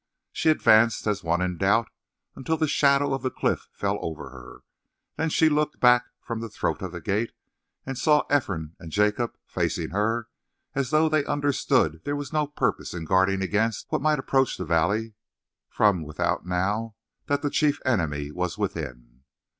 She advanced as one in doubt until the shadow of the cliff fell over her. Then she looked back from the throat of the gate and saw Ephraim and Jacob facing her as though they understood there was no purpose in guarding against what might approach the valley from without now that the chief enemy was within.